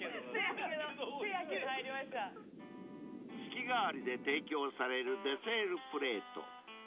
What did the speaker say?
［月替わりで提供されるデセールプレート］